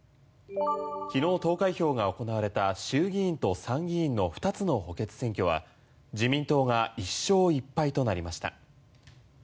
昨日投開票が行われた衆議院と参議院の２つの補欠選挙は自民党が１勝１敗となりました。